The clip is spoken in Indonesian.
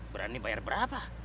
berani bayar berapa